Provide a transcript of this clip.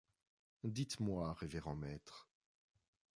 Dites-moi, révérend maître